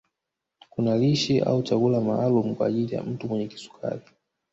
Kuna lishe au chakula maalumu kwa ajili ya mtu mwenye kisukari